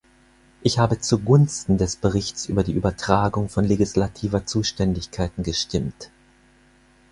Ich habe zugunsten des Berichts über die Übertragung von legislativer Zuständigkeiten gestimmt.